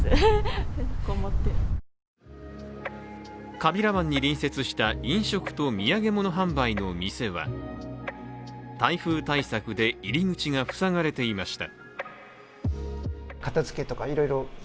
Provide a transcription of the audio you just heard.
川平湾に隣接した飲食と土産物販売の店は台風対策で入り口が塞がれていました。